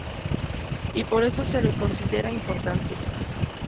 Y por eso se lo considera importante.